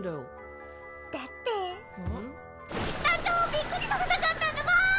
団長をびっくりさせたかったんだもん！